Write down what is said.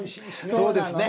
そうですね。